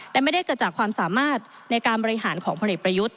และไม่ได้เกิดจากความสามารถในการบริหารของพลเอกประยุทธ์